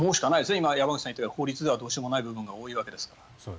今、山口さんが言ったように法律ではどうしようもない部分が多いわけですから。